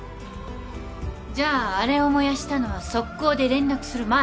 じゃああれを燃やしたのは即行で連絡する前？